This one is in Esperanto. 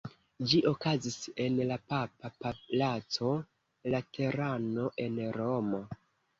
Ĝi okazis en la papa palaco Laterano en Romo.